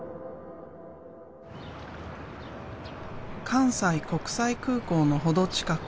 関西国際空港の程近く。